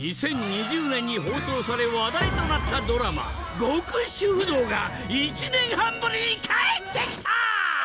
２０２０年に放送され話題となったドラマ『極主夫道』が１年半ぶりに帰って来た！